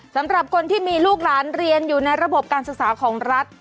สำหรับคนที่มีลูกหลานเรียนอยู่ในระบบการศึกษาของรัฐ